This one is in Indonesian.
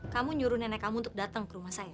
kamu nyuruh nenek kamu untuk datang ke rumah saya